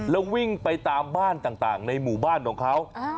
แล้ววิ่งไปตามบ้านต่างในหมู่บ้านของเขา